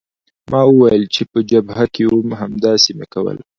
ما وویل چې په جبهه کې وم همداسې مې کول.